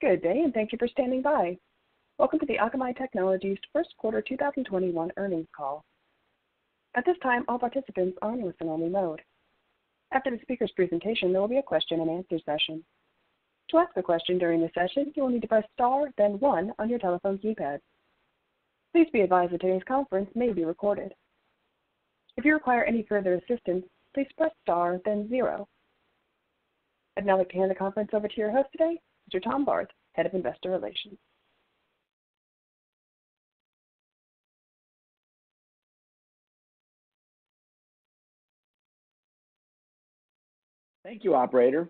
Good day and thank you for standing by. Welcome to the Akamai Technologies' first quarter 2021 earnings call. At this time all participants are in only listen mode. After the speakers presentation there will be a question and answer session. To ask the question during the session youll need to press star then one on your telephone keypad. Please be advised thatt this conference may be recorded .If you require any further assistance, please press star then zero. I'd now like to hand the conference over to your host today, Mr. Tom Barth, Head of Investor Relations. Thank you, operator.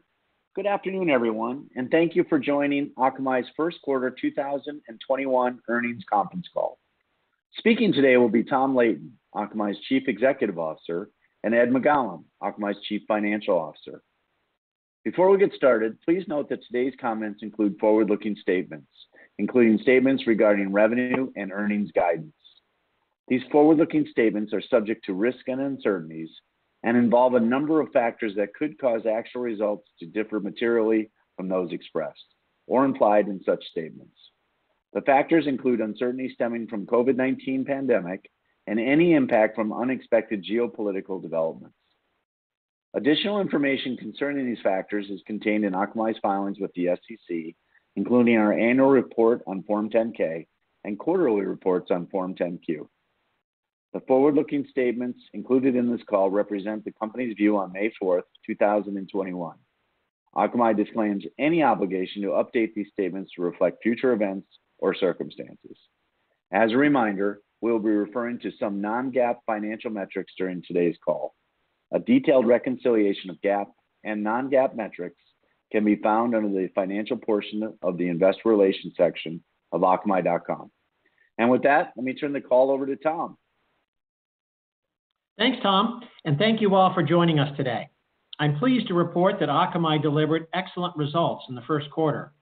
Good afternoon, everyone, and thank you for joining Akamai's first quarter 2021 earnings conference call. Speaking today will be Tom Leighton, Akamai's Chief Executive Officer, and Ed McGowan, Akamai's Chief Financial Officer. Before we get started, please note that today's comments include forward-looking statements, including statements regarding revenue and earnings guidance. These forward-looking statements are subject to risks and uncertainties and involve a number of factors that could cause actual results to differ materially from those expressed or implied in such statements. The factors include uncertainty stemming from COVID-19 pandemic and any impact from unexpected geopolitical developments. Additional information concerning these factors is contained in Akamai's filings with the SEC, including our annual report on Form 10-K and quarterly reports on Form 10-Q. The forward-looking statements included in this call represent the company's view on May 4th 2021. Akamai disclaims any obligation to update these statements to reflect future events or circumstances. As a reminder, we will be referring to some non-GAAP financial metrics during today's call. A detailed reconciliation of GAAP and non-GAAP metrics can be found under the financial portion of the investor relations section of akamai.com. With that, let me turn the call over to Tom. Thanks, Tom, thank you all for joining us today. I'm pleased to report that Akamai delivered excellent results in the first quarter.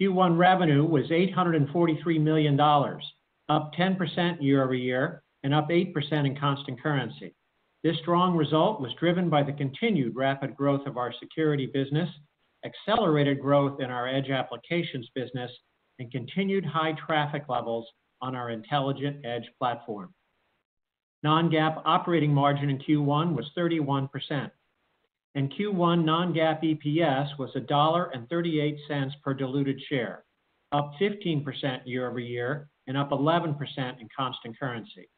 Q1 revenue was $843 million, up 10% year-over-year, and up 8% in constant currency. This strong result was driven by the continued rapid growth of our security business, accelerated growth in the edge applications business, and continued high traffic levels on our intelligent edge platform. Non-GAAP operating margin in Q1 was 31%, and Q1 non-GAAP EPS was $1.38 per diluted share, up 15% year-over-year, and up 11% in constant currency.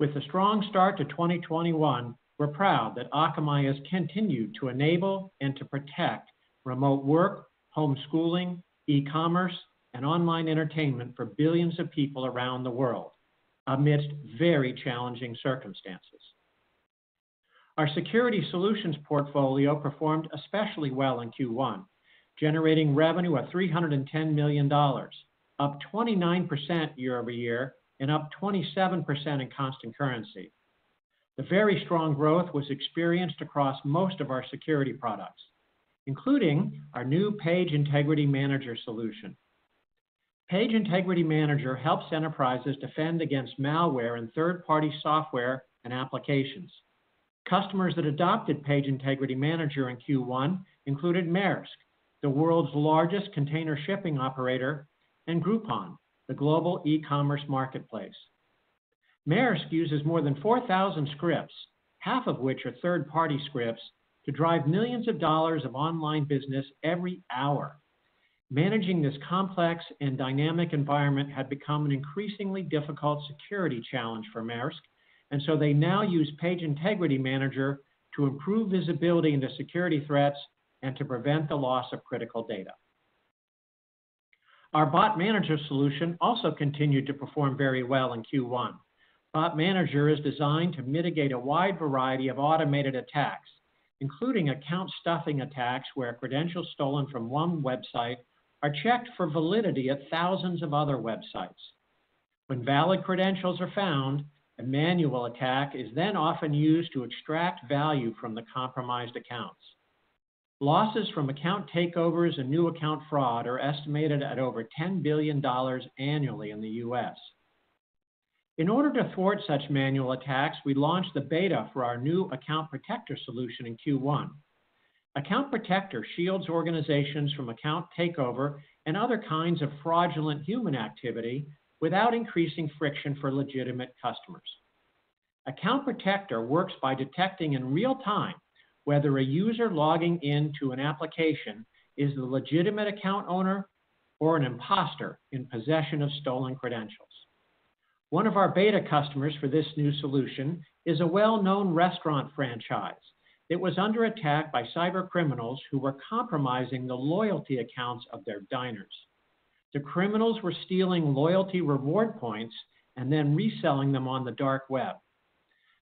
With a strong start to 2021, we're proud that Akamai has continued to enable and to protect remote work, homeschooling, e-commerce, and online entertainment for billions of people around the world amidst very challenging circumstances. Our security solutions portfolio performed especially well in Q1, generating revenue of $310 million, up 29% year-over-year and up 27% in constant currency. The very strong growth was experienced across most of our security products, including our new Page Integrity Manager solution. Page Integrity Manager helps enterprises defend against malware and third-party software and applications. Customers that adopted Page Integrity Manager in Q1 included Maersk, the world's largest container shipping operator, and Groupon, the global e-commerce marketplace. Maersk uses more than 4,000 scripts, half of which are third-party scripts, to drive millions of dollars of online business every hour. Managing this complex and dynamic environment had become an increasingly difficult security challenge for Maersk, and so they now use Page Integrity Manager to improve visibility into security threats and to prevent the loss of critical data. Our Bot Manager solution also continued to perform very well in Q1. Bot Manager is designed to mitigate a wide variety of automated attacks, including credential stuffing attacks, where credentials stolen from one website are checked for validity at thousands of other websites. When valid credentials are found, a manual attack is then often used to extract value from the compromised accounts. Losses from account takeovers and new account fraud are estimated at over $10 billion annually in the U.S. In order to thwart such manual attacks, we launched the beta for our new Account Protector solution in Q1. Account Protector shields organizations from account takeover and other kinds of fraudulent human activity without increasing friction for legitimate customers. Account Protector works by detecting in real time whether a user logging in to an application is the legitimate account owner or an imposter in possession of stolen credentials. One of our beta customers for this new solution is a well-known restaurant franchise. It was under attack by cybercriminals who were compromising the loyalty accounts of their diners. The criminals were stealing loyalty reward points and then reselling them on the dark web.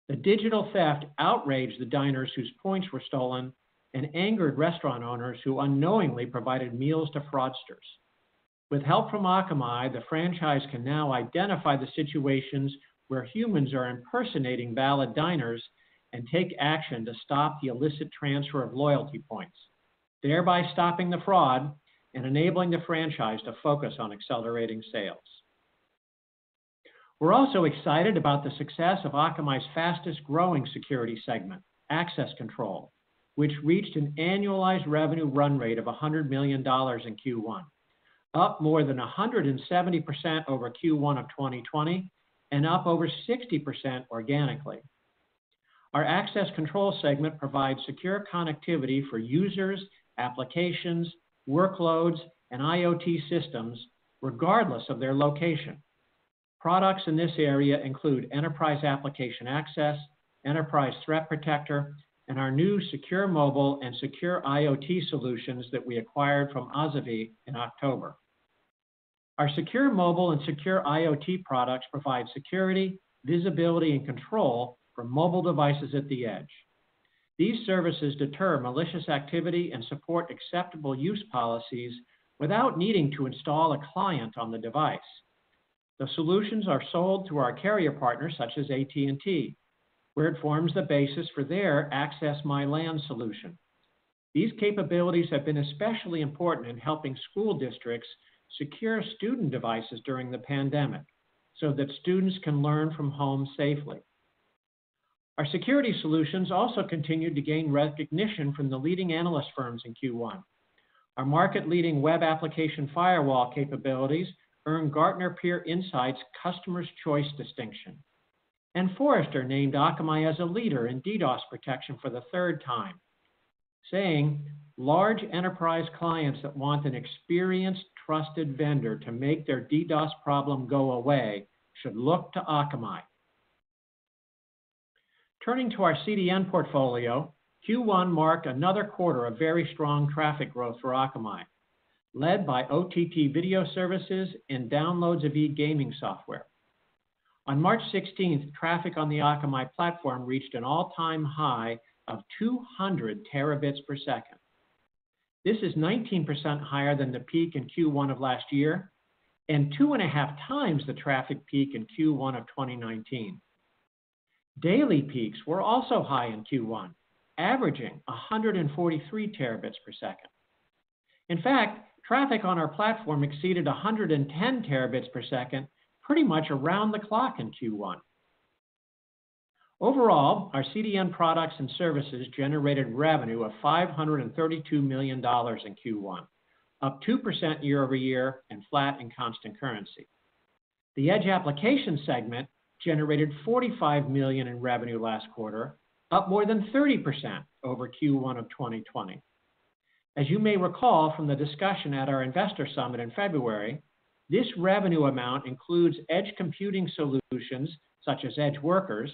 The digital theft outraged the diners whose points were stolen and angered restaurant owners who unknowingly provided meals to fraudsters. With help from Akamai, the franchise can now identify the situations where humans are impersonating valid diners and take action to stop the illicit transfer of loyalty points, thereby stopping the fraud and enabling the franchise to focus on accelerating sales. We're also excited about the success of Akamai's fastest-growing security segment, Access Control, which reached an annualized revenue run rate of $100 million in Q1, up more than 170% over Q1 of 2020 and up over 60% organically. Our Access Control segment provides secure connectivity for users, applications, workloads, and IoT systems regardless of their location. Products in this area include Enterprise Application Access, Enterprise Threat Protector, and our new Secure Mobile and Secure IoT solutions that we acquired from Asavie in October. Our Secure Mobile and Secure IoT products provide security, visibility, and control for mobile devices at the edge. These services deter malicious activity and support acceptable use policies without needing to install a client on the device. The solutions are sold through our carrier partners such as AT&T, where it forms the basis for their AccessMyLAN solution. These capabilities have been especially important in helping school districts secure student devices during the pandemic so that students can learn from home safely. Our security solutions also continued to gain recognition from the leading analyst firms in Q1. Our market-leading web application firewall capabilities earned Gartner Peer Insights Customers' Choice distinction. Forrester named Akamai as a leader in DDoS protection for the third time, saying, "Large enterprise clients that want an experienced, trusted vendor to make their DDoS problem go away should look to Akamai." Turning to our CDN portfolio, Q1 marked another quarter of very strong traffic growth for Akamai, led by OTT video services and downloads of e-gaming software. On March 16th, traffic on the Akamai platform reached an all-time high of 200 terabits per second. This is 19% higher than the peak in Q1 of last year, and two and a half times the traffic peak in Q1 of 2019. Daily peaks were also high in Q1, averaging 143 Tb/s. In fact, traffic on our platform exceeded 110 Tb/s pretty much around the clock in Q1. Overall, our CDN products and services generated revenue of $532 million in Q1, up 2% year-over-year and flat in constant currency. The Edge Application segment generated $45 million in revenue last quarter, up more than 30% over Q1 of 2020. As you may recall from the discussion at our investor summit in February, this revenue amount includes edge computing solutions, such as EdgeWorkers,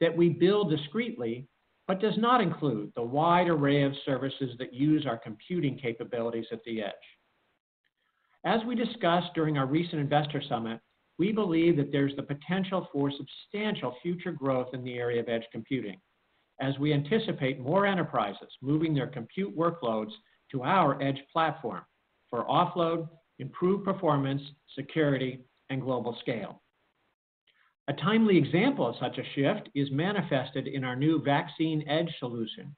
that we bill discreetly, but does not include the wide array of services that use our computing capabilities at the edge. As we discussed during our recent investor summit, we believe that there's the potential for substantial future growth in the area of edge computing as we anticipate more enterprises moving their compute workloads to our edge platform for offload, improved performance, security, and global scale. A timely example of such a shift is manifested in our new Vaccine Edge solution,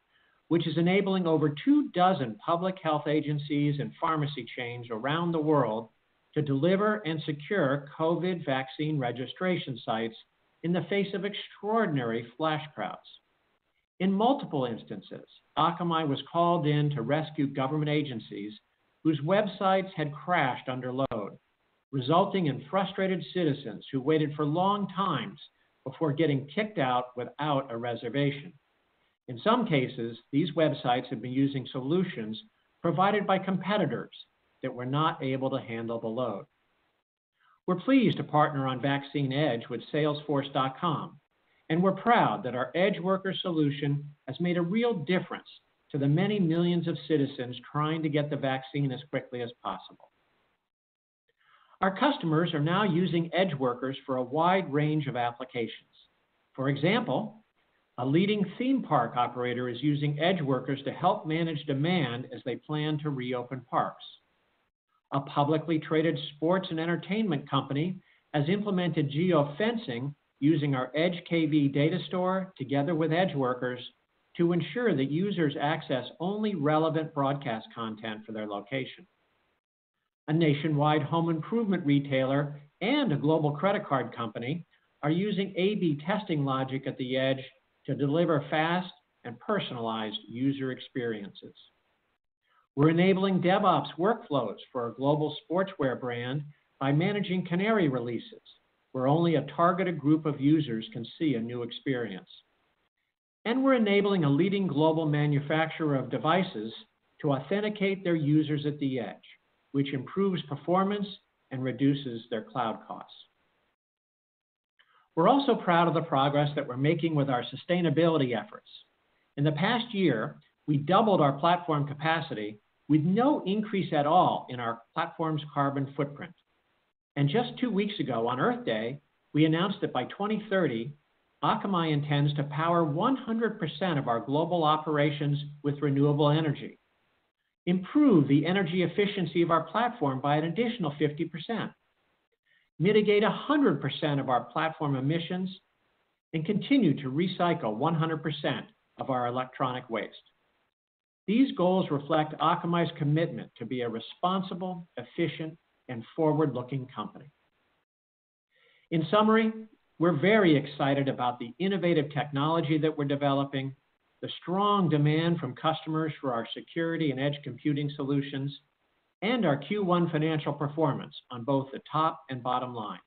which is enabling over 2 dozen public health agencies and pharmacy chains around the world to deliver and secure COVID vaccine registration sites in the face of extraordinary flash crowds. In multiple instances, Akamai was called in to rescue government agencies whose websites had crashed under load, resulting in frustrated citizens who waited for long times before getting kicked out without a reservation. In some cases, these websites had been using solutions provided by competitors that were not able to handle the load. We're pleased to partner on Vaccine Edge with Salesforce, and we're proud that our EdgeWorkers solution has made a real difference to the many millions of citizens trying to get the vaccine as quickly as possible. Our customers are now using EdgeWorkers for a wide range of applications. For example, a leading theme park operator is using EdgeWorkers to help manage demand as they plan to reopen parks. A publicly traded sports and entertainment company has implemented geofencing using our EdgeKV data store together with EdgeWorkers to ensure that users access only relevant broadcast content for their location. A nationwide home improvement retailer and a global credit card company are using A/B testing logic at the edge to deliver fast and personalized user experiences. We're enabling DevOps workflows for a global sportswear brand by managing canary releases, where only a targeted group of users can see a new experience. We're enabling a leading global manufacturer of devices to authenticate their users at the edge, which improves performance and reduces their cloud costs. We're also proud of the progress that we're making with our sustainability efforts. In the past year, we doubled our platform capacity with no increase at all in our platform's carbon footprint. Just two weeks ago on Earth Day, we announced that by 2030, Akamai intends to power 100% of our global operations with renewable energy, improve the energy efficiency of our platform by an additional 50%, mitigate 100% of our platform emissions, and continue to recycle 100% of our electronic waste. These goals reflect Akamai's commitment to be a responsible, efficient, and forward-looking company. In summary, we're very excited about the innovative technology that we're developing, the strong demand from customers for our security and edge computing solutions, and our Q1 financial performance on both the top and bottom lines.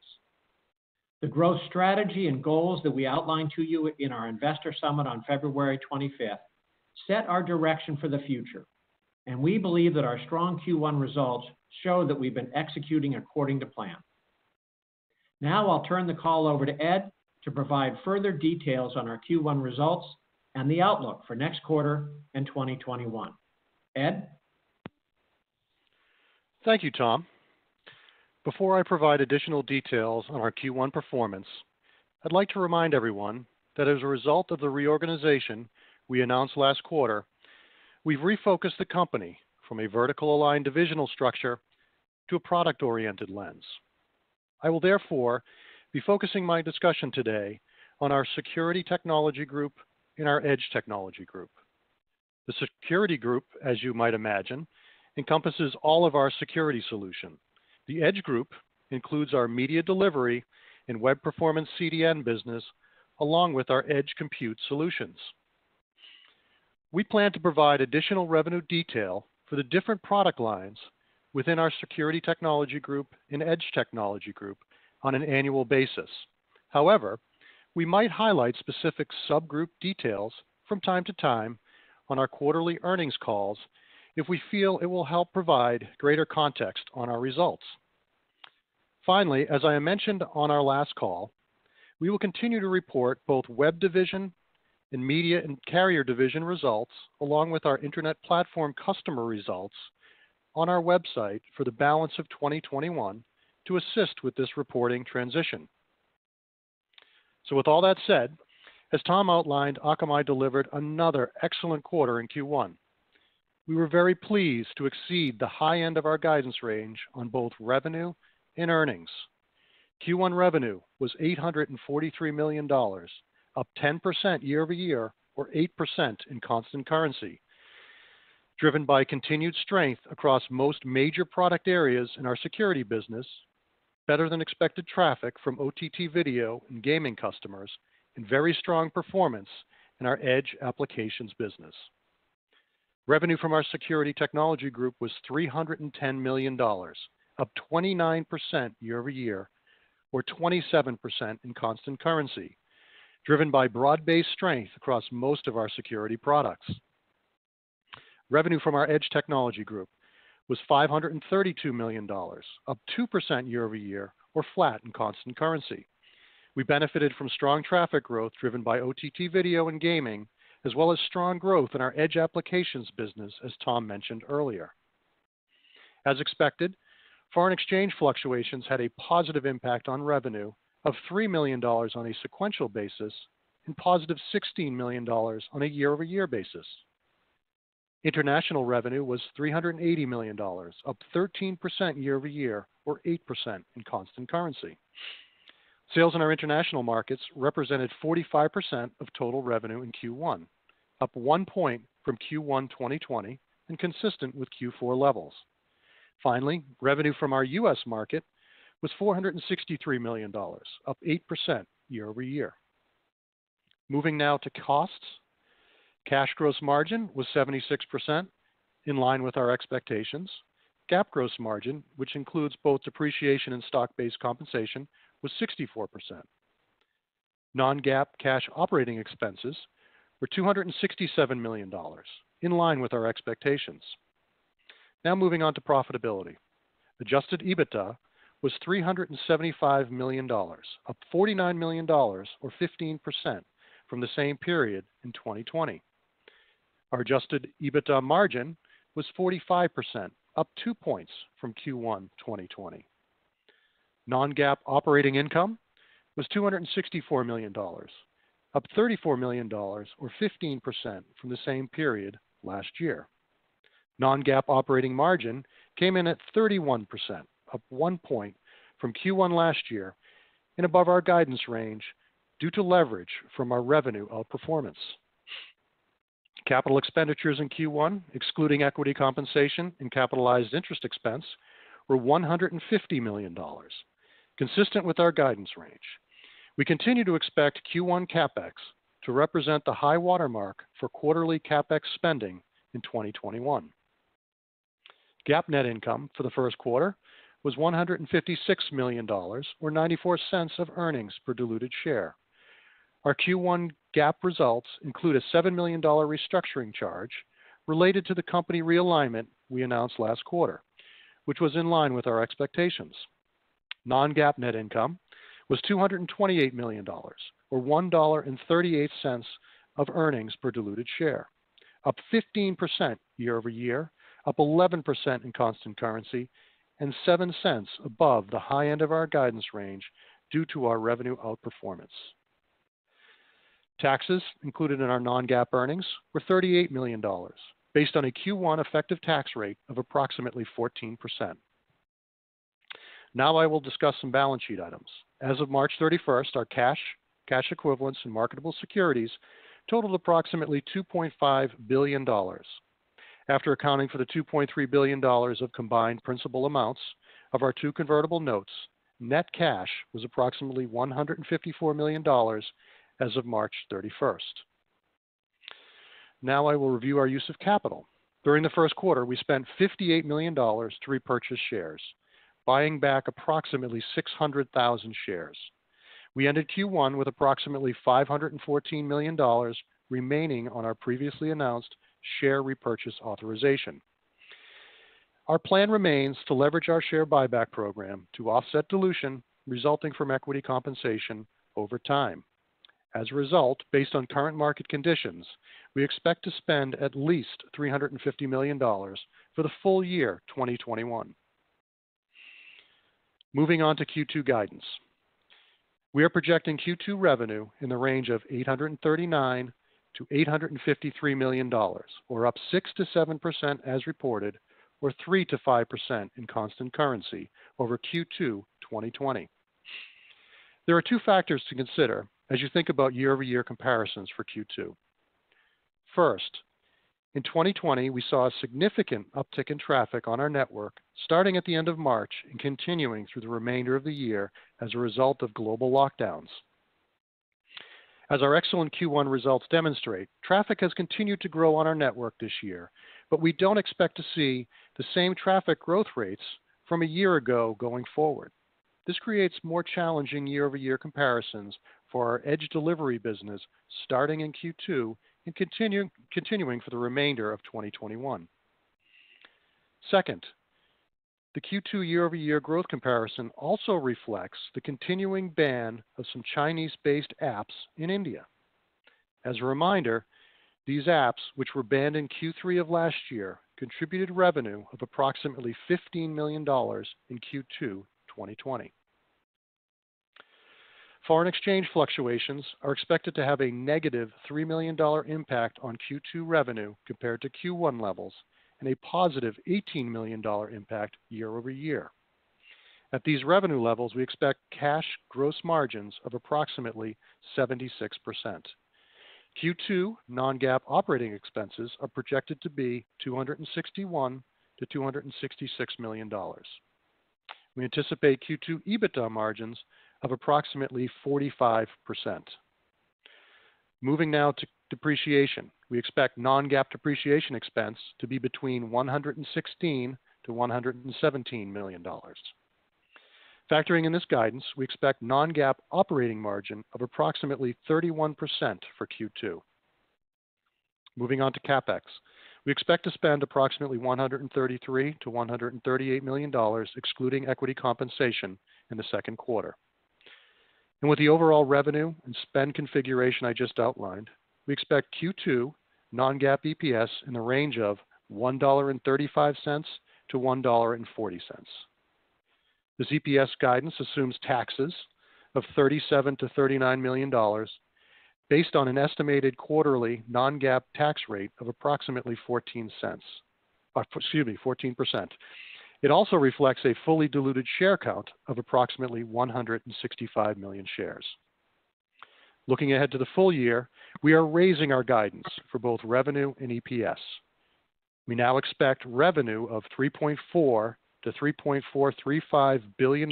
The growth strategy and goals that we outlined to you in our investor summit on February 25th set our direction for the future. We believe that our strong Q1 results show that we've been executing according to plan. I'll turn the call over to Ed to provide further details on our Q1 results and the outlook for next quarter in 2021. Ed? Thank you, Tom. Before I provide additional details on our Q1 performance, I'd like to remind everyone that as a result of the reorganization we announced last quarter, we've refocused the company from a vertical-aligned divisional structure to a product-oriented lens. I will therefore be focusing my discussion today on our Security Technology Group and our Edge Technology Group. The Security Group, as you might imagine, encompasses all of our security solutions. The Edge Group includes our media delivery and web performance CDN business, along with our edge compute solutions. We plan to provide additional revenue detail for the different product lines within our Security Technology Group and Edge Technology Group on an annual basis. However, we might highlight specific subgroup details from time to time on our quarterly earnings calls if we feel it will help provide greater context on our results. Finally, as I mentioned on our last call, we will continue to report both Web Division and Media and Carrier Division results, along with our internet platform customer results on our website for the balance of 2021 to assist with this reporting transition. With all that said, as Tom outlined, Akamai delivered another excellent quarter in Q1. We were very pleased to exceed the high end of our guidance range on both revenue and earnings. Q1 revenue was $843 million, up 10% year-over-year or 8% in constant currency, driven by continued strength across most major product areas in our security business, better than expected traffic from OTT video and gaming customers, and very strong performance in our edge applications business. Revenue from our Security Technology Group was $310 million, up 29% year-over-year or 27% in constant currency, driven by broad-based strength across most of our security products. Revenue from our Edge Technology Group was $532 million, up 2% year-over-year or flat in constant currency. We benefited from strong traffic growth driven by OTT video and gaming, as well as strong growth in our edge applications business, as Tom mentioned earlier. As expected, foreign exchange fluctuations had a positive impact on revenue of $3 million on a sequential basis and positive $16 million on a year-over-year basis. International revenue was $380 million, up 13% year-over-year or 8% in constant currency. Sales in our international markets represented 45% of total revenue in Q1, up 1 point from Q1 2020 and consistent with Q4 levels. Finally, revenue from our U.S.market was $463 million, up 8% year-over-year. Moving now to costs. Cash gross margin was 76%, in line with our expectations. GAAP gross margin, which includes both depreciation and stock-based compensation, was 64%. Non-GAAP cash operating expenses were $267 million, in line with our expectations. Moving on to profitability. Adjusted EBITDA was $375 million, up $49 million or 15% from the same period in 2020. Our adjusted EBITDA margin was 45%, up two points from Q1 2020. Non-GAAP operating income was $264 million, up $34 million or 15% from the same period last year. Non-GAAP operating margin came in at 31%, up one point from Q1 last year and above our guidance range due to leverage from our revenue outperformance. Capital expenditures in Q1, excluding equity compensation and capitalized interest expense, were $150 million, consistent with our guidance range. We continue to expect Q1 CapEx to represent the high watermark for quarterly CapEx spending in 2021. GAAP net income for the first quarter was $156 million, or $0.94 of earnings per diluted share. Our Q1 GAAP results include a $7 million restructuring charge related to the company realignment we announced last quarter, which was in line with our expectations. Non-GAAP net income was $228 million, or $1.38 of earnings per diluted share, up 15% year-over-year, up 11% in constant currency, and $0.07 above the high end of our guidance range due to our revenue outperformance. Taxes included in our Non-GAAP earnings were $38 million, based on a Q1 effective tax rate of approximately 14%. I will discuss some balance sheet items. As of March 31st, our cash equivalents, and marketable securities totaled approximately $2.5 billion. After accounting for the $2.3 billion of combined principal amounts of our two convertible notes, net cash was approximately $154 million as of March 31st. Now I will review our use of capital. During the first quarter, we spent $58 million to repurchase shares, buying back approximately 600,000 shares. We ended Q1 with approximately $514 million remaining on our previously announced share repurchase authorization. Our plan remains to leverage our share buyback program to offset dilution resulting from equity compensation over time. As a result, based on current market conditions, we expect to spend at least $350 million for the full year 2021. Moving on to Q2 guidance. We are projecting Q2 revenue in the range of $839 million-$853 million, or up 6%-7% as reported, or 3%-5% in constant currency over Q2 2020. There are two factors to consider as you think about year-over-year comparisons for Q2. First, in 2020, we saw a significant uptick in traffic on our network starting at the end of March and continuing through the remainder of the year as a result of global lockdowns. As our excellent Q1 results demonstrate, traffic has continued to grow on our network this year, but we don't expect to see the same traffic growth rates from a year ago going forward. This creates more challenging year-over-year comparisons for our edge delivery business starting in Q2 and continuing for the remainder of 2021. Second, the Q2 year-over-year growth comparison also reflects the continuing ban of some Chinese-based apps in India. As a reminder, these apps, which were banned in Q3 of last year, contributed revenue of approximately $15 million in Q2 2020. Foreign exchange fluctuations are expected to have a negative $3 million impact on Q2 revenue compared to Q1 levels and a positive $18 million impact year-over-year. At these revenue levels, we expect cash gross margins of approximately 76%. Q2 non-GAAP operating expenses are projected to be $261 million-$266 million. We anticipate Q2 EBITDA margins of approximately 45%. Moving now to depreciation. We expect non-GAAP depreciation expense to be between $116 million-$117 million. Factoring in this guidance, we expect non-GAAP operating margin of approximately 31% for Q2. Moving on to CapEx. We expect to spend approximately $133 million-$138 million, excluding equity compensation, in the second quarter. With the overall revenue and spend configuration I just outlined, we expect Q2 non-GAAP EPS in the range of $1.35-$1.40. This EPS guidance assumes taxes of $37 million-$39 million based on an estimated quarterly non-GAAP tax rate of approximately $0.14. Excuse me, 14%. It also reflects a fully diluted share count of approximately 165 million shares. Looking ahead to the full year, we are raising our guidance for both revenue and EPS. We now expect revenue of $3.4 billion-$3.435 billion,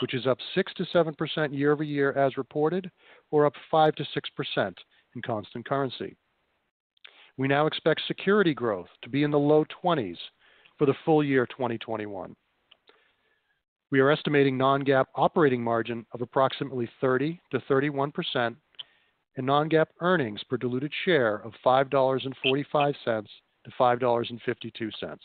which is up 6%-7% year-over-year as reported, or up 5%-6% in constant currency. We now expect security growth to be in the low 20s for the full year 2021. We are estimating non-GAAP operating margin of approximately 30%-31% and non-GAAP earnings per diluted share of $5.45-$5.52.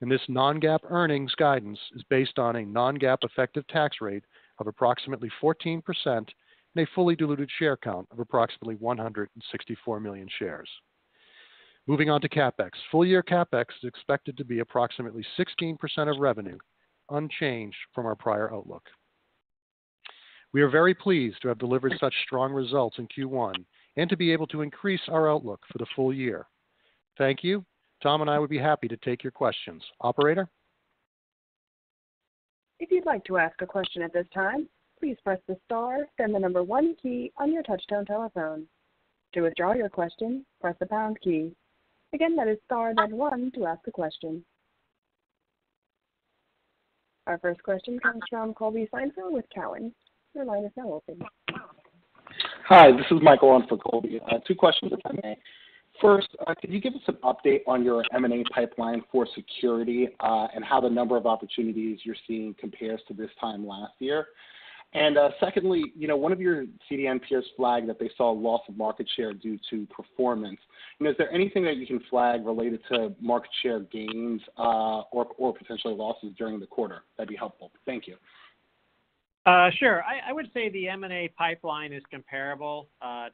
This non-GAAP earnings guidance is based on a non-GAAP effective tax rate of approximately 14% and a fully diluted share count of approximately 164 million shares. Moving on to CapEx. Full year CapEx is expected to be approximately 16% of revenue, unchanged from our prior outlook. We are very pleased to have delivered such strong results in Q1 and to be able to increase our outlook for the full year. Thank you. Tom and I would be happy to take your questions. Operator? If you would like to ask a question at this time, please press star then the number one key on your touch tone telephone. To adjourn your question, press the pound key, again press star then one to ask your question. Our first question comes from Colby Synesael with Cowen. Your line is now open. Hi, this is Mike Cikos on for Colby Synesael. Two questions, if I may. First, could you give us an update on your M&A pipeline for security, and how the number of opportunities you're seeing compares to this time last year? Secondly, one of your CDN peers flagged that they saw a loss of market share due to performance. Is there anything that you can flag related to market share gains or potentially losses during the quarter? That'd be helpful. Thank you. Sure. I would say the M&A pipeline is comparable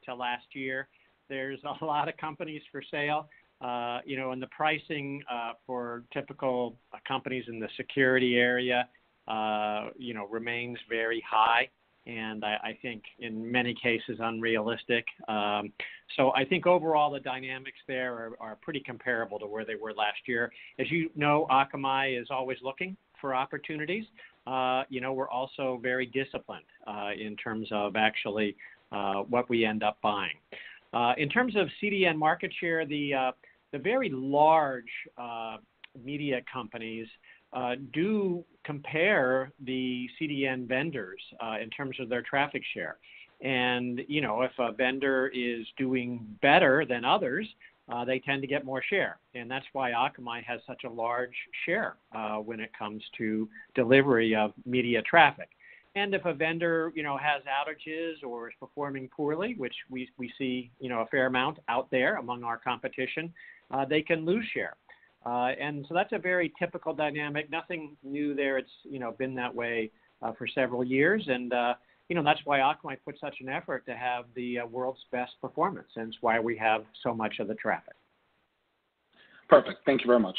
to last year. There's a lot of companies for sale, the pricing for typical companies in the security area remains very high, and I think in many cases, unrealistic. I think overall, the dynamics there are pretty comparable to where they were last year. As you know, Akamai is always looking for opportunities. We're also very disciplined in terms of actually what we end up buying. In terms of CDN market share, the very large media companies do compare the CDN vendors in terms of their traffic share. If a vendor is doing better than others, they tend to get more share. That's why Akamai has such a large share when it comes to delivery of media traffic. If a vendor has outages or is performing poorly, which we see a fair amount out there among our competition, they can lose share. That's a very typical dynamic. Nothing new there. It's been that way for several years, and that's why Akamai puts such an effort to have the world's best performance, and it's why we have so much of the traffic. Perfect. Thank you very much.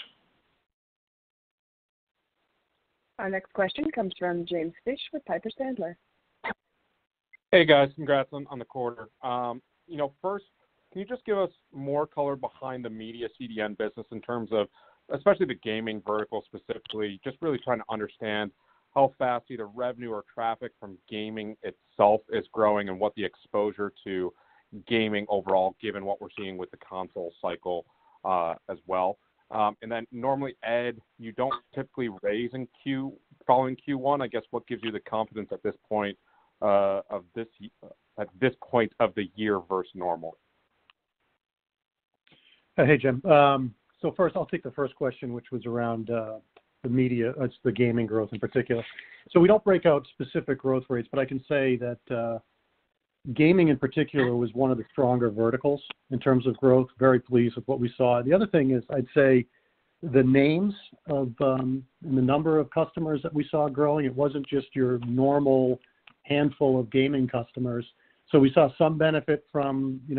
Our next question comes from James Fish with Piper Sandler. Hey, guys. Congrats on the quarter. Can you just give us more color behind the media CDN business in terms of, especially the gaming vertical specifically, just really trying to understand how fast either revenue or traffic from gaming itself is growing and what the exposure to gaming overall, given what we're seeing with the console cycle, as well. Normally, Ed, you don't typically raise following Q1. I guess, what gives you the confidence at this point of the year versus normal? Hey, Jim. First, I'll take the first question, which was around the media, the gaming growth in particular. We don't break out specific growth rates, but I can say that gaming in particular was one of the stronger verticals in terms of growth. Very pleased with what we saw. The other thing is I'd say the names of and the number of customers that we saw growing, it wasn't just your normal handful of gaming customers. We saw some benefit from the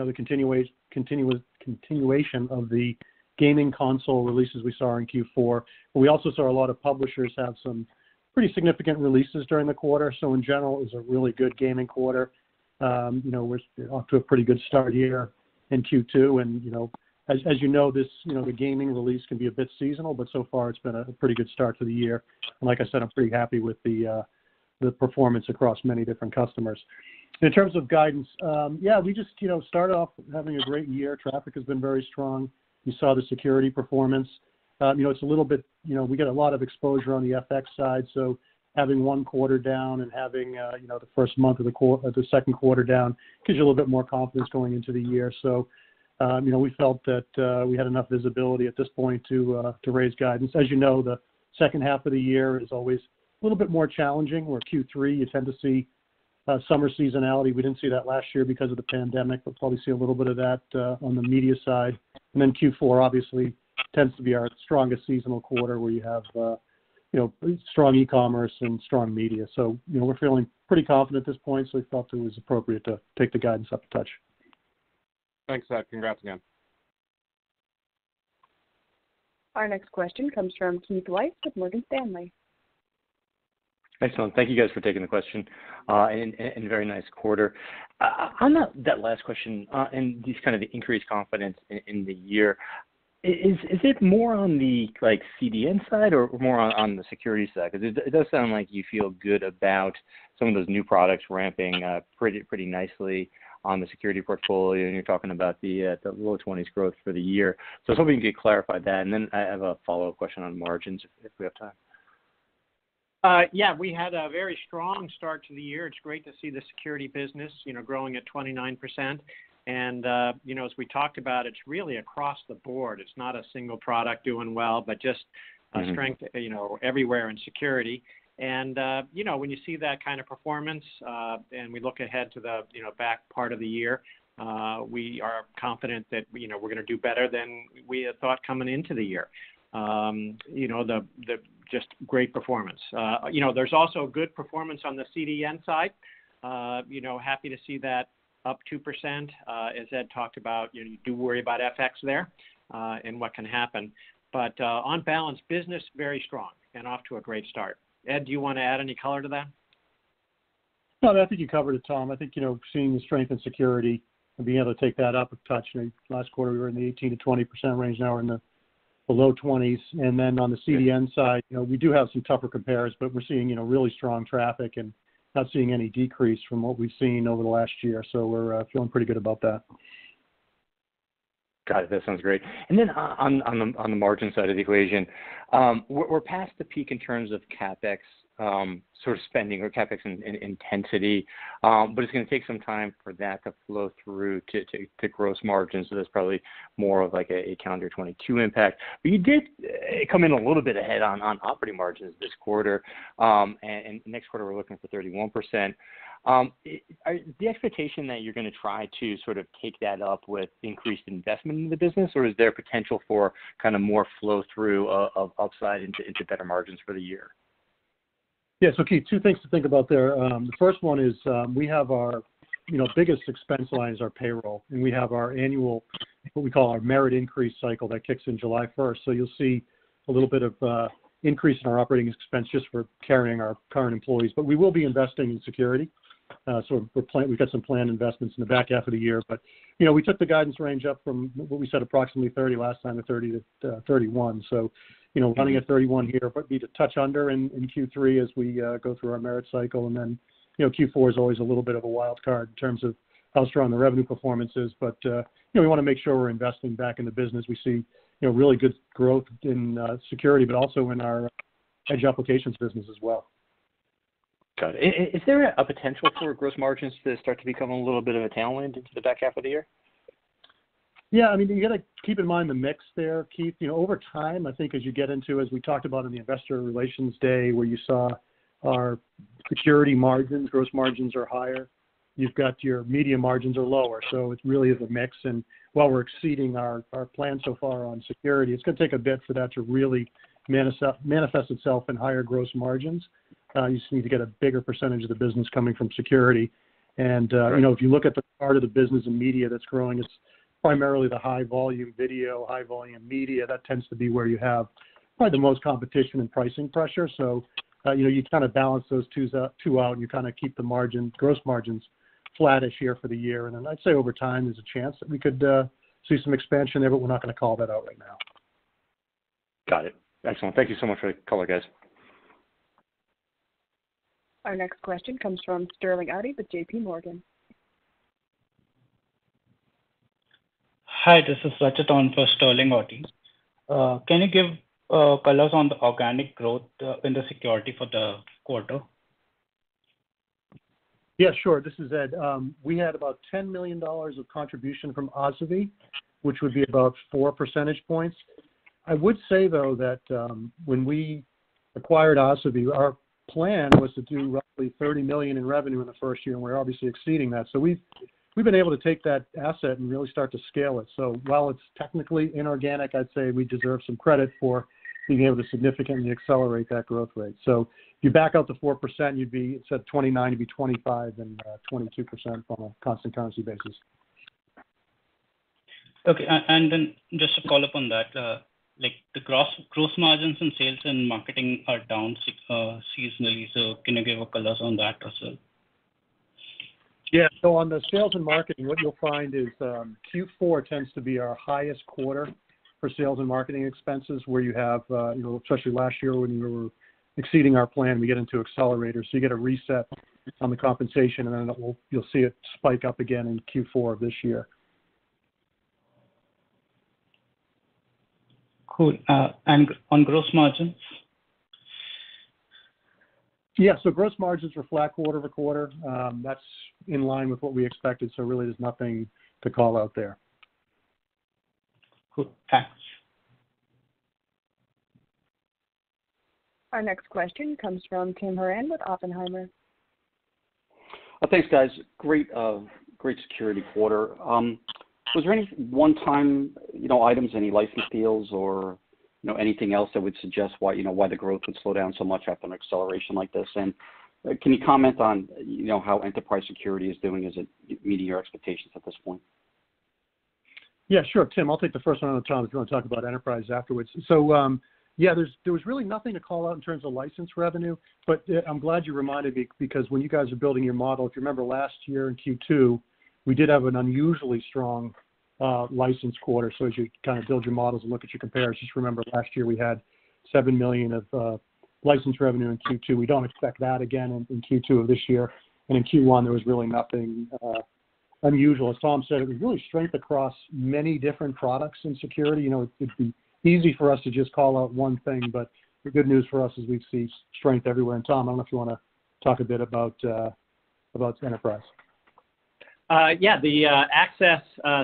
continuation of the gaming console releases we saw in Q4. We also saw a lot of publishers have some pretty significant releases during the quarter. In general, it was a really good gaming quarter. We're off to a pretty good start here in Q2, and as you know, the gaming release can be a bit seasonal, but so far it's been a pretty good start to the year. Like I said, I'm pretty happy with the performance across many different customers. In terms of guidance, we just started off having a great year. Traffic has been very strong. We saw the security performance. We get a lot of exposure on the FX side, so having one quarter down and having the first month of the second quarter down gives you a little bit more confidence going into the year. We felt that we had enough visibility at this point to raise guidance. As you know, the second half of the year is always a little bit more challenging, where Q3, you tend to see summer seasonality. We didn't see that last year because of the pandemic. Probably see a little bit of that on the media side. Q4 obviously tends to be our strongest seasonal quarter where you have strong e-commerce and strong media. We're feeling pretty confident at this point, so we felt it was appropriate to take the guidance up a touch. Thanks, Ed. Congrats again. Our next question comes from Keith Weiss with Morgan Stanley. Excellent. Thank you, guys, for taking the question, and very nice quarter. On that last question, just kind of the increased confidence in the year, is it more on the CDN side or more on the security side? It does sound like you feel good about some of those new products ramping pretty nicely on the security portfolio, and you're talking about the low 20s growth for the year. I was hoping you could clarify that, and then I have a follow-up question on margins if we have time. Yeah. We had a very strong start to the year. It's great to see the security business growing at 29%. As we talked about, it's really across the board. It's not a single product doing well. Strength everywhere in security. When you see that kind of performance, and we look ahead to the back part of the year, we are confident that we're going to do better than we had thought coming into the year. Just great performance. There's also good performance on the CDN side. Happy to see that up 2%. As Ed talked about, you do worry about FX there, and what can happen. On balance, business very strong and off to a great start. Ed, do you want to add any color to that? No, I think you covered it, Tom. I think, seeing the strength in security and being able to take that up a touch. Last quarter, we were in the 18%-20% range, now we're in the below twenties. On the CDN side, we do have some tougher compares, but we're seeing really strong traffic and not seeing any decrease from what we've seen over the last year. We're feeling pretty good about that. Got it. That sounds great. Then on the margin side of the equation, we're past the peak in terms of CapEx sort of spending or CapEx in intensity. It's going to take some time for that to flow through to gross margins. That's probably more of like a calendar 2022 impact. You did come in a little bit ahead on operating margins this quarter. Next quarter, we're looking for 31%. Is the expectation that you're going to try to sort of take that up with increased investment in the business, or is there potential for kind of more flow through of upside into better margins for the year? Yeah. Keith, two things to think about there. The first one is, we have our biggest expense line is our payroll, and we have our annual what we call our merit increase cycle that kicks in July 1st. You'll see a little bit of increase in our operating expense just for carrying our current employees. We will be investing in security. We've got some planned investments in the back half of the year. We took the guidance range up from what we said, approximately 30% last time to 30%-31%. Running at 31% here but be to touch under in Q3 as we go through our merit cycle. Q4 is always a little bit of a wild card in terms of how strong the revenue performance is. We want to make sure we're investing back in the business. We see really good growth in security, but also in our edge applications business as well. Got it. Is there a potential for gross margins to start to become a little bit of a tailwind into the back half of the year? Yeah. You've got to keep in mind the mix there, Keith. Over time, I think, as you get into, as we talked about in the Investor Day, where you saw our security margins, gross margins are higher. You've got your media margins are lower, so it really is a mix. While we're exceeding our plan so far on security, it's going to take a bit for that to really manifest itself in higher gross margins. You just need to get a bigger percentage of the business coming from security. If you look at the part of the business in media that's growing, it's primarily the high-volume video, high volume media. That tends to be where you have probably the most competition and pricing pressure. You kind of balance those two out, and you kind of keep the gross margins flattish here for the year. I'd say over time, there's a chance that we could see some expansion there, but we're not going to call that out right now. Got it. Excellent. Thank you so much for the color, guys. Our next question comes from Sterling Auty with JP Morgan. Hi, this is Rajat on for Sterling Auty. Can you give colors on the organic growth in the security for the quarter? Yeah, sure. This is Ed. We had about $10 million of contribution from Asavie, which would be about four percentage points. I would say, though, that when we acquired Asavie, our plan was to do roughly $30 million in revenue in the first year, and we're obviously exceeding that. While it's technically inorganic, I'd say we deserve some credit for being able to significantly accelerate that growth rate. If you back out to 4%, you'd be instead of 29, you'd be 25, and 22% on a constant currency basis. Okay. Just to follow up on that, the gross margins and sales and marketing are down seasonally. Can you give a color on that as well? Yeah. On the sales and marketing, what you'll find is Q4 tends to be our highest quarter for sales and marketing expenses, where you have, especially last year when we were exceeding our plan to get into accelerators. You get a reset on the compensation, and then you'll see it spike up again in Q4 of this year. Cool. On gross margins? Yeah. Gross margins were flat quarter over quarter. That's in line with what we expected, so really there's nothing to call out there. Cool. Thanks. Our next question comes from Tim Horan with Oppenheimer. Thanks, guys. Great security quarter. Was there any one-time items, any license deals or anything else that would suggest why the growth would slow down so much after an acceleration like this? Can you comment on how enterprise security is doing? Is it meeting your expectations at this point? Sure, Tim. I'll take the first one, and then Tom, if you want to talk about enterprise afterwards. There was really nothing to call out in terms of license revenue. I'm glad you reminded me, because when you guys are building your model, if you remember last year in Q2, we did have an unusually strong license quarter. As you build your models and look at your comparisons, remember last year we had $7 million of license revenue in Q2. We don't expect that again in Q2 of this year. In Q1, there was really nothing unusual. As Tom said, it was really strength across many different products in security. It'd be easy for us to just call out one thing, but the good news for us is we see strength everywhere. Tom, I don't know if you want to talk a bit about enterprise? Yeah. The Access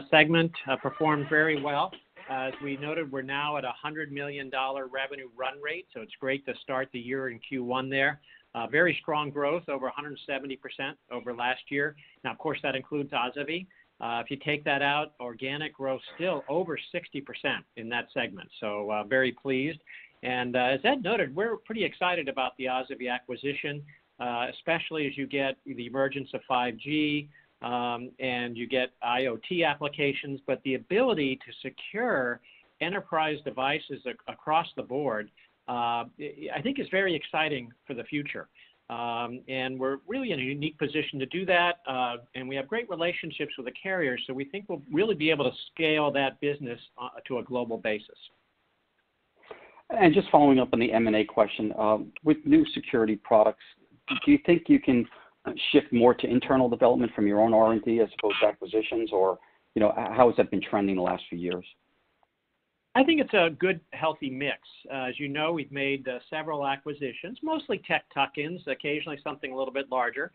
segment performed very well. As we noted, we're now at $100 million revenue run rate. It's great to start the year in Q1 there. Very strong growth, over 170% over last year. Of course, that includes Asavie. If you take that out, organic growth still over 60% in that segment. Very pleased. As Ed noted, we're pretty excited about the Asavie acquisition, especially as you get the emergence of 5G, and you get IoT applications. The ability to secure enterprise devices across the board, I think is very exciting for the future. We're really in a unique position to do that. We have great relationships with the carriers, we think we'll really be able to scale that business to a global basis. Just following up on the M&A question, with new security products, do you think you can shift more to internal development from your own R&D as opposed to acquisitions or how has that been trending the last few years? I think it's a good, healthy mix. As you know, we've made several acquisitions, mostly tech tuck-ins, occasionally something a little bit larger.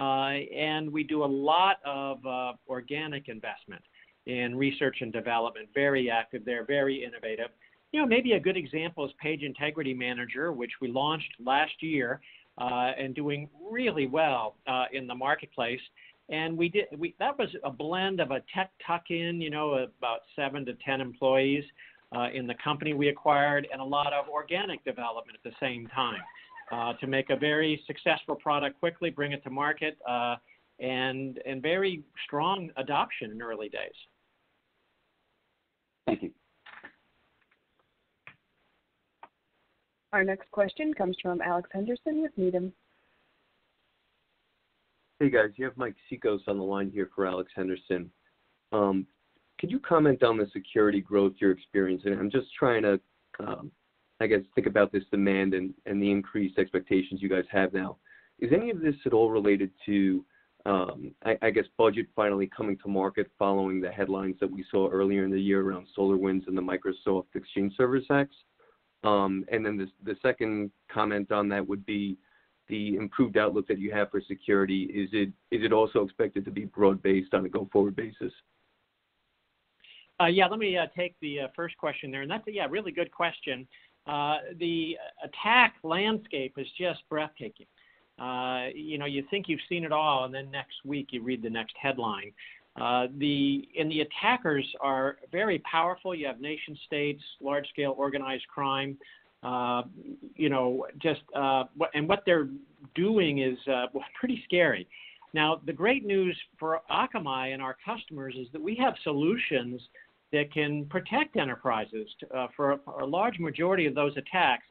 We do a lot of organic investment in research and development. Very active there, very innovative. Maybe a good example is Page Integrity Manager, which we launched last year, and doing really well in the marketplace. That was a blend of a tech tuck-in, about 7-10 employees, in the company we acquired, and a lot of organic development at the same time, to make a very successful product quickly, bring it to market, and very strong adoption in early days. Thank you. Our next question comes from Alex Henderson with Needham. Hey, guys. You have Mike Cikos on the line here for Alex Henderson. Could you comment on the security growth you're experiencing? I'm just trying to, I guess, think about this demand and the increased expectations you guys have now. Is any of this at all related to, I guess, budget finally coming to market following the headlines that we saw earlier in the year around SolarWinds and the Microsoft Exchange Server hacks? The second comment on that would be the improved outlook that you have for security. Is it also expected to be broad-based on a go-forward basis? Yeah, let me take the first question there. That's a really good question. The attack landscape is just breathtaking. You think you've seen it all, then next week you read the next headline. The attackers are very powerful. You have nation states, large-scale organized crime. What they're doing is pretty scary. Now, the great news for Akamai and our customers is that we have solutions that can protect enterprises for a large majority of those attacks.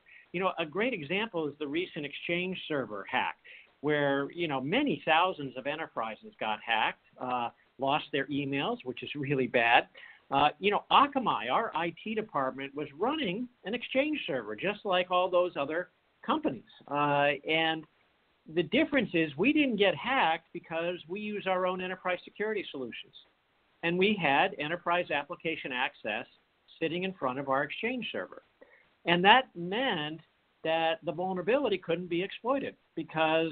A great example is the recent Microsoft Exchange Server hack, where many thousands of enterprises got hacked, lost their emails, which is really bad. Akamai, our IT department, was running an Microsoft Exchange Server just like all those other companies. The difference is we didn't get hacked because we use our own enterprise security solutions, and we had Enterprise Application Access sitting in front of our Microsoft Exchange Server. That meant that the vulnerability couldn't be exploited because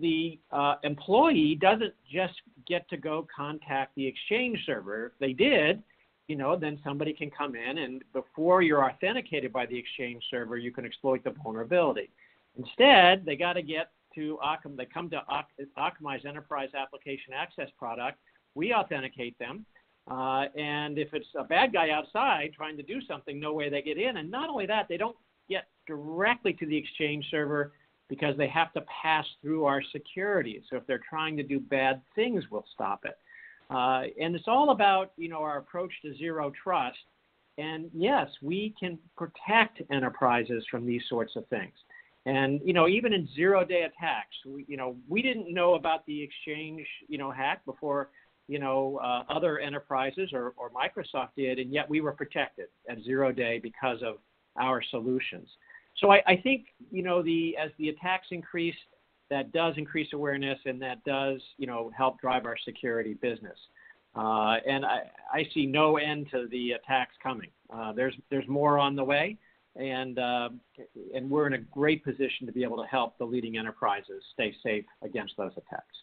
the employee doesn't just get to go contact the Microsoft Exchange Server. If they did, then somebody can come in and before you're authenticated by the Microsoft Exchange Server, you can exploit the vulnerability. Instead, they come to Akamai's Enterprise Application Access product. We authenticate them, and if it's a bad guy outside trying to do something, no way they get in. Not only that, they don't get directly to the Microsoft Exchange Server because they have to pass through our security. If they're trying to do bad things, we'll stop it. It's all about our approach to Zero Trust. Yes, we can protect enterprises from these sorts of things. Even in zero-day attacks, we didn't know about the Exchange hack before other enterprises or Microsoft did, and yet we were protected at zero day because of our solutions. I think as the attacks increase, that does increase awareness and that does help drive our security business. I see no end to the attacks coming. There's more on the way, and we're in a great position to be able to help the leading enterprises stay safe against those attacks.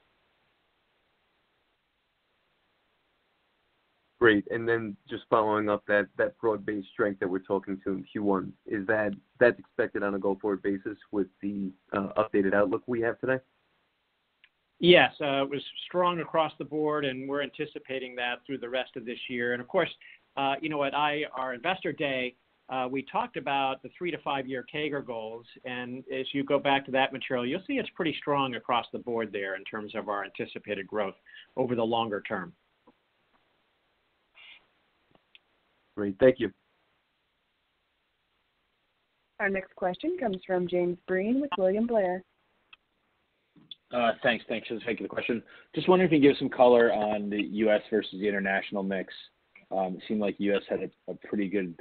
Great, then just following up, that broad-based strength that we're talking to in Q1, that's expected on a go-forward basis with the updated outlook we have today? Yes. It was strong across the board, and we're anticipating that through the rest of this year. Of course, at our Investor Day, we talked about the three- to five-year CAGR goals, and as you go back to that material, you'll see it's pretty strong across the board there in terms of our anticipated growth over the longer term. Great. Thank you. Our next question comes from James Breen with William Blair. Thanks. Thanks, and thank you for the question. Just wondering if you could give some color on the U.S. versus the international mix. It seemed like U.S. had a pretty good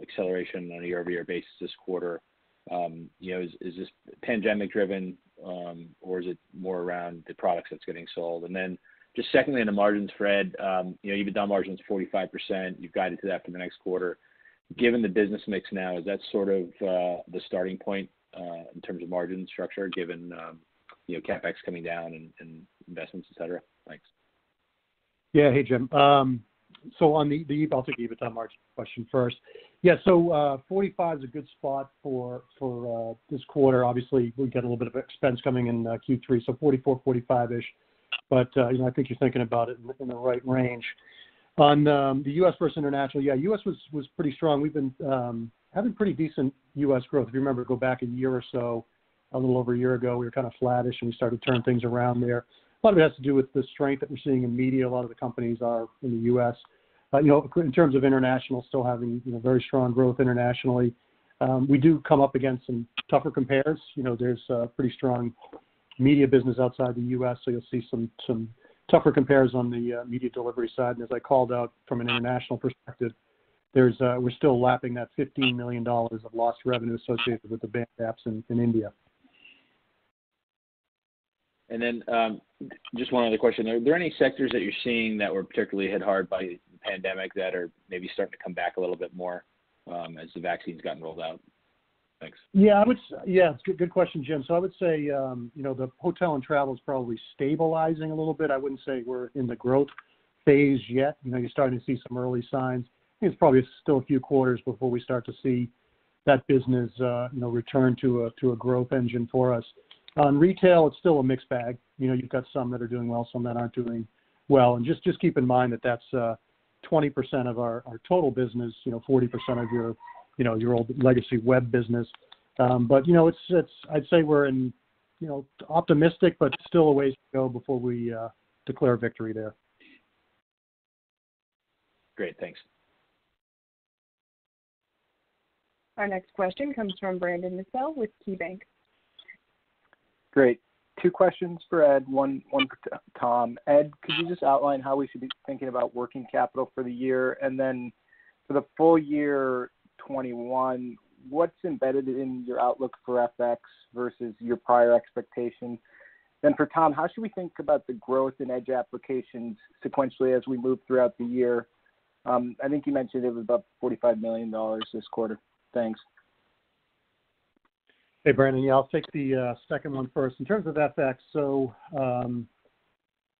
acceleration on a year-over-year basis this quarter. Is this pandemic-driven, or is it more around the products that's getting sold? Secondly, on the margins, Ed McGowan, EBITDA margin's 45%. You've guided to that for the next quarter. Given the business mix now, is that sort of the starting point in terms of margin structure given CapEx coming down and investments, et cetera? Thanks. Yeah. Hey, James Breen. I'll take the EBITDA margin question first. Yeah, 45 is a good spot for this quarter. Obviously, we get a little bit of expense coming in Q3, so 44, 45-ish, but I think you're thinking about it in the right range. On the U.S. versus international, yeah, U.S. was pretty strong. We've been having pretty decent U.S. growth. If you remember, go back a year or so, a little over a year ago, we were kind of flattish, and we started to turn things around there. A lot of it has to do with the strength that we're seeing in media. A lot of the companies are in the U.S. In terms of international, still having very strong growth internationally. We do come up against some tougher compares. There's a pretty strong media business outside the U.S., so you'll see some tougher compares on the media delivery side. As I called out from an international perspective, we're still lapping that $15 million of lost revenue associated with the banned apps in India. Just one other question. Are there any sectors that you're seeing that were particularly hit hard by the pandemic that are maybe starting to come back a little bit more as the vaccine's gotten rolled out? Thanks. Yeah. Good question, Jim. I would say the hotel and travel is probably stabilizing a little bit. I wouldn't say we're in the growth phase yet. You're starting to see some early signs. I think it's probably still a few quarters before we start to see that business return to a growth engine for us. On retail, it's still a mixed bag. You've got some that are doing well, some that aren't doing well, and just keep in mind that that's 20% of our total business, 40% of your old legacy web business. I'd say we're optimistic, but still a ways to go before we declare victory there. Great. Thanks. Our next question comes from Brandon Nispel with KeyBanc. Great. Two questions for Ed, one for Tom. Ed, could you just outline how we should be thinking about working capital for the year? For the full year 2021, what's embedded in your outlook for FX versus your prior expectations? For Tom, how should we think about the growth in Edge applications sequentially as we move throughout the year? I think you mentioned it was about $45 million this quarter. Thanks. Hey, Brandon. Yeah, I'll take the second one first. In terms of FX,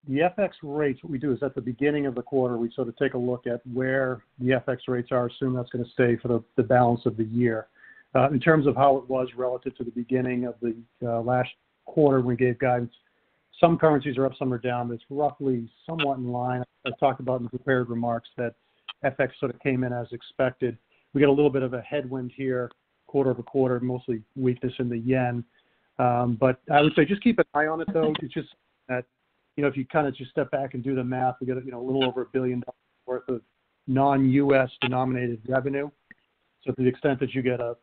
the FX rates, what we do is at the beginning of the quarter, we sort of take a look at where the FX rates are, assume that's going to stay for the balance of the year. In terms of how it was relative to the beginning of the last quarter we gave guidance, some currencies are up, some are down. It's roughly somewhat in line. I talked about in the prepared remarks that FX sort of came in as expected. We got a little bit of a headwind here quarter-over-quarter, mostly weakness in the yen. I would say just keep an eye on it, though. If you kind of just step back and do the math, we get a little over $1 billion worth of non-U.S. denominated revenue. To the extent that you get a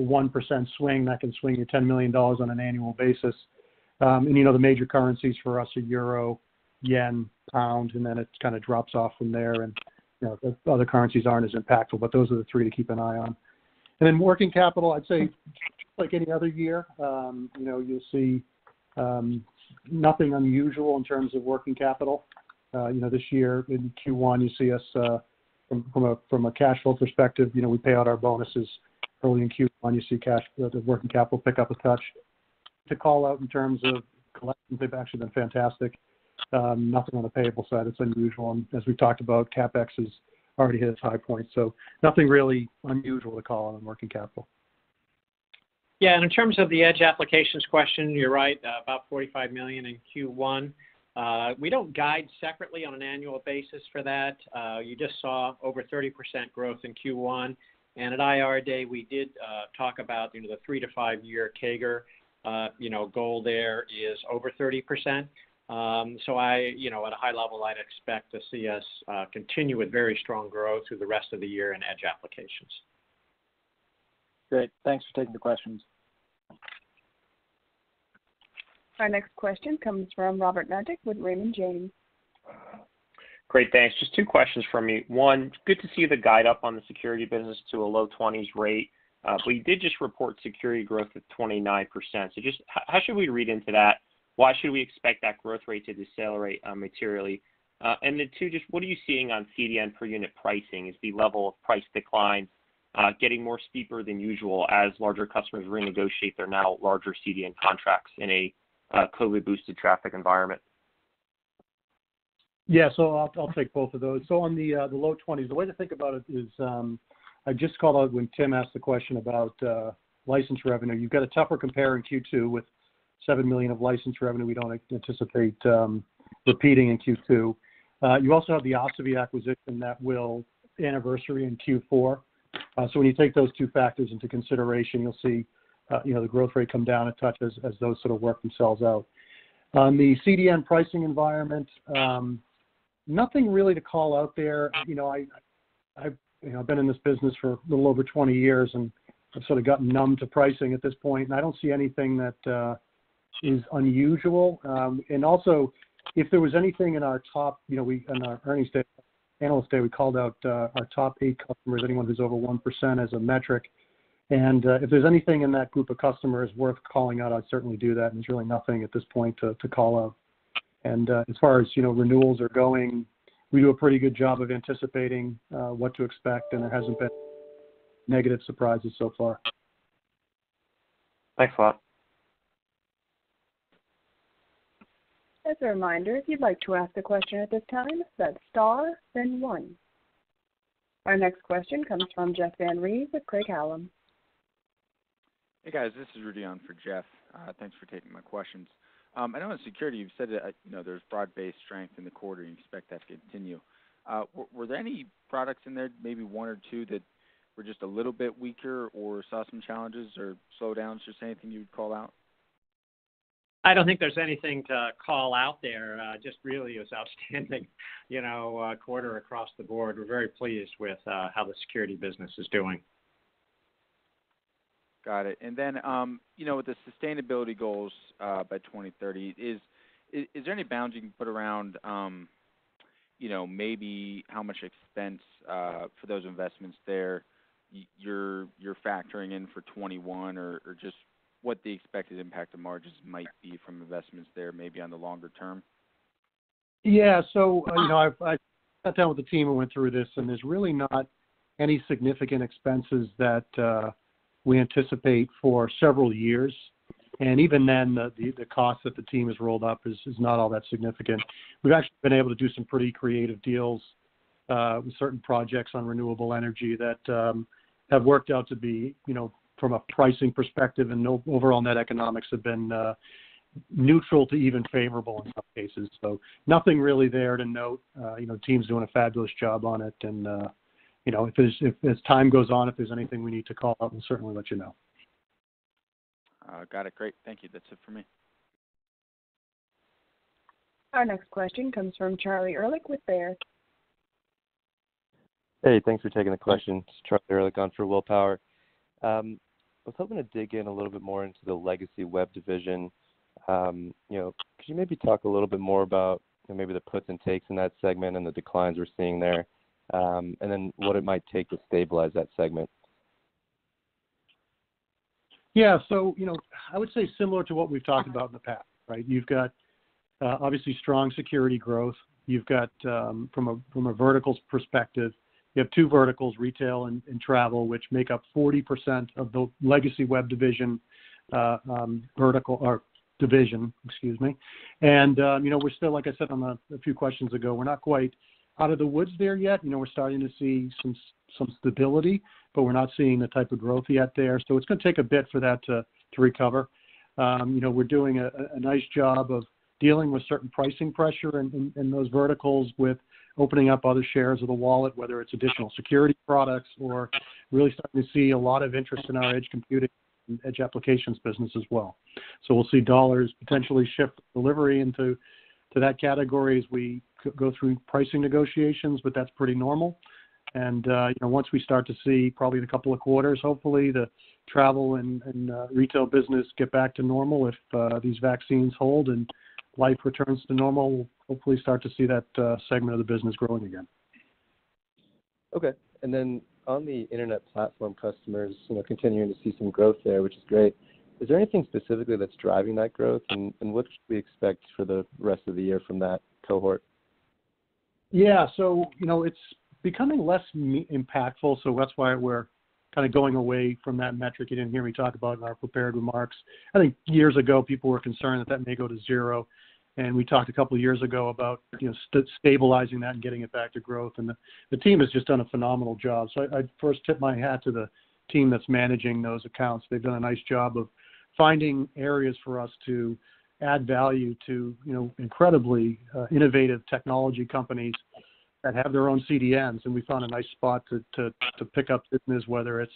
1% swing, that can swing you $10 million on an annual basis. The major currencies for us are euro, yen, pound, and then it kind of drops off from there, and the other currencies aren't as impactful. Those are the three to keep an eye on. Then working capital, I'd say like any other year, you'll see nothing unusual in terms of working capital. This year in Q1, you see us from a cash flow perspective, we pay out our bonuses early in Q1. You see working capital pick up a touch. To call out in terms of collections, they've actually been fantastic. Nothing on the payable side that's unusual. As we've talked about, CapEx has already hit its high point. Nothing really unusual to call out on working capital. Yeah, in terms of the Edge applications question, you're right, about $45 million in Q1. We don't guide separately on an annual basis for that. You just saw over 30% growth in Q1. At Investor Day, we did talk about the 3-5 year CAGR. Goal there is over 30%. At a high level, I'd expect to see us continue with very strong growth through the rest of the year in Edge applications. Great. Thanks for taking the questions. Our next question comes from Robert Mednick with Raymond James. Great, thanks. Just two questions from me. One, good to see the guide up on the Security business to a low 20s rate. You did just report Security growth at 29%. Just how should we read into that? Why should we expect that growth rate to decelerate materially? Then two, just what are you seeing on CDN per unit pricing? Is the level of price declines getting more steeper than usual as larger customers renegotiate their now larger CDN contracts in a COVID-boosted traffic environment? Yeah, I'll take both of those. On the low 20s, the way to think about it is, I just called out when Tim asked the question about license revenue. You've got a tougher compare in Q2 with $7 million of license revenue we don't anticipate repeating in Q2. You also have the Asavie acquisition that will anniversary in Q4. When you take those two factors into consideration, you'll see the growth rate come down a touch as those sort of work themselves out. On the CDN pricing environment, nothing really to call out there. I've been in this business for a little over 20 years, and I've sort of gotten numb to pricing at this point, and I don't see anything that is unusual. Also, if there was anything in our top, in our earnings analyst day, we called out our top eight customers, anyone who's over 1% as a metric. If there's anything in that group of customers worth calling out, I'd certainly do that, and there's really nothing at this point to call out. As far as renewals are going, we do a pretty good job of anticipating what to expect, and there hasn't been negative surprises so far. Thanks a lot. As a reminder, if you'd like to ask a question at this time, that's star then one. Our next question comes from Jeff Van Rhee with Craig-Hallum. Hey, guys. This is Rudy on for Jeff. Thanks for taking my questions. On security, you've said that there's broad-based strength in the quarter, and you expect that to continue. Were there any products in there, maybe one or two, that were just a little bit weaker or saw some challenges or slowdowns, just anything you'd call out? I don't think there's anything to call out there. Just really, it was an outstanding quarter across the board. We're very pleased with how the security business is doing. Got it. With the sustainability goals by 2030, is there any bounds you can put around maybe how much expense for those investments there you're factoring in for 2021, or just what the expected impact to margins might be from investments there, maybe on the longer term? I sat down with the team and went through this, and there's really not any significant expenses that we anticipate for several years. Even then, the cost that the team has rolled up is not all that significant. We've actually been able to do some pretty creative deals with certain projects on renewable energy that have worked out to be, from a pricing perspective and overall net economics, have been neutral to even favorable in some cases. Nothing really there to note. Team's doing a fabulous job on it, and as time goes on, if there's anything we need to call out, we'll certainly let you know. Got it. Great. Thank you. That's it for me. Our next question comes from Charlie Ehrlich with Baird. Hey, thanks for taking the question. It's Charlie Ehrlich on for Will Power. I was hoping to dig in a little bit more into the legacy Web Division. Could you talk a little bit more about the puts and takes in that segment and the declines we're seeing there? What it might take to stabilize that segment. I would say similar to what we've talked about in the past, right? You've got, obviously, strong security growth. From a verticals perspective, you have two verticals, retail and travel, which make up 40% of the legacy Web Division. We're still, like I said on a few questions ago, we're not quite out of the woods there yet. We're starting to see some stability, but we're not seeing the type of growth yet there. It's going to take a bit for that to recover. We're doing a nice job of dealing with certain pricing pressure in those verticals with opening up other shares of the wallet, whether it's additional security products or really starting to see a lot of interest in our edge computing and edge applications business as well. We'll see dollars potentially shift delivery into that category as we go through pricing negotiations, but that's pretty normal. Once we start to see probably in a couple of quarters, hopefully, the travel and retail business get back to normal if these vaccines hold and life returns to normal, we'll hopefully start to see that segment of the business growing again. Okay. On the internet platform customers, continuing to see some growth there, which is great. Is there anything specifically that's driving that growth? What should we expect for the rest of the year from that cohort? It's becoming less impactful, that's why we're kind of going away from that metric. You didn't hear me talk about it in our prepared remarks. I think years ago that people were concerned that that may go to zero, and we talked a couple of years ago about stabilizing that and getting it back to growth. The team has just done a phenomenal job. I first tip my hat to the team that's managing those accounts. They've done a nice job of finding areas for us to add value to incredibly innovative technology companies that have their own CDNs. We found a nice spot to pick up business, whether it's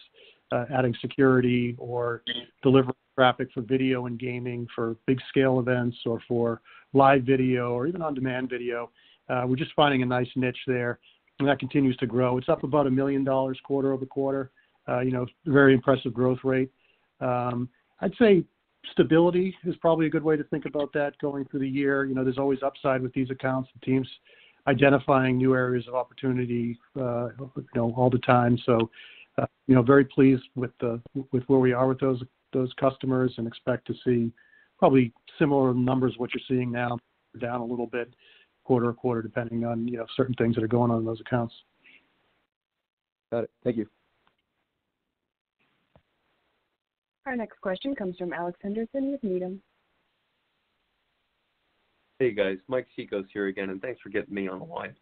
adding security or delivering traffic for video and gaming, for big scale events or for live video or even on-demand video. We're just finding a nice niche there, and that continues to grow. It's up about $1 million quarter-over-quarter. Very impressive growth rate. I'd say stability is probably a good way to think about that going through the year. There's always upside with these accounts. The team's identifying new areas of opportunity all the time. Very pleased with where we are with those customers and expect to see probably similar numbers what you're seeing now, down a little bit quarter-to-quarter, depending on certain things that are going on in those accounts. Got it. Thank you. Our next question comes from Alex Henderson with Needham. Hey, guys. Mike Cikos here again, and thanks for getting me on the line.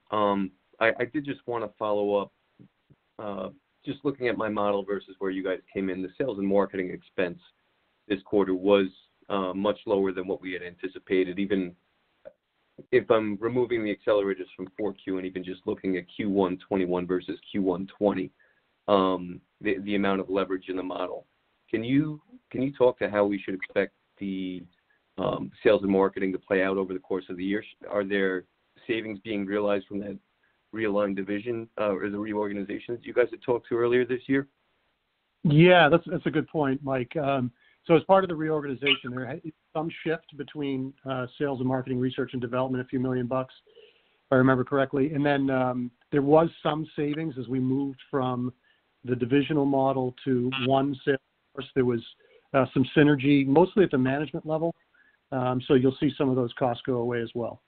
I did just want to follow up. Just looking at my model versus where you guys came in the sales and marketing expense this quarter was much lower than what we had anticipated, even if I'm removing the accelerators from 4Q and even just looking at Q1 2021 versus Q1 2020, the amount of leverage in the model. Can you talk to how we should expect the sales and marketing to play out over the course of the year? Are there savings being realized from that realigned division or the reorganization that you guys had talked to earlier this year? That's a good point, Mike. As part of the reorganization, there had been some shift between sales and marketing, research and development, a few million dollars, if I remember correctly. There was some savings as we moved from the divisional model to one sales force. There was some synergy, mostly at the management level. You'll see some of those costs go away as well.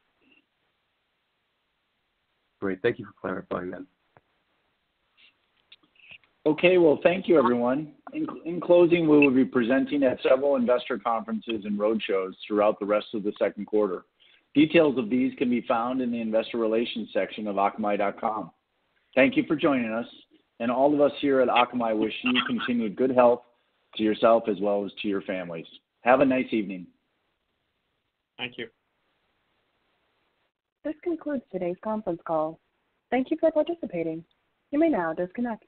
Great. Thank you for clarifying that. Okay. Well, thank you everyone. In closing, we will be presenting at several investor conferences and roadshows throughout the rest of the second quarter. Details of these can be found in the investor relations section of akamai.com. Thank you for joining us, and all of us here at Akamai wish you continued good health to yourself as well as to your families. Have a nice evening. Thank you. This concludes today's conference call. Thank you for participating. You may now disconnect.